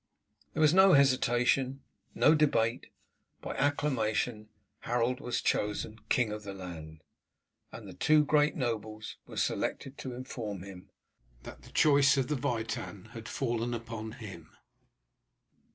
There was no hesitation, no debate. By acclamation Harold was chosen king of the land, and two great nobles were selected to inform him that the choice of the Witan had fallen upon him.